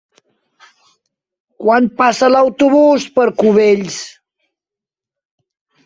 Quan passa l'autobús per Cubells?